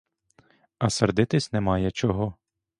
А сердитись немає чого.